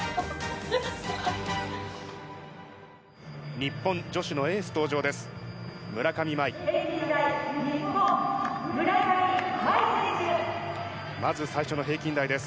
日本女子のエース登場です。